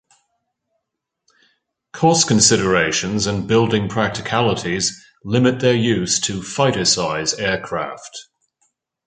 Cost considerations and building practicalities limit their use to fighter size aircraft.